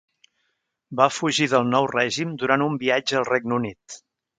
Va fugir del nou règim durant un viatge al Regne Unit.